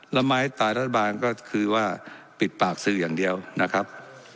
แล้วไม้ตายรัฐบาลก็คือว่าปิดปากสื่ออย่างเดียวนะครับ